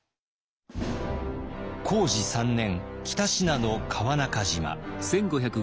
弘治３年北信濃川中島。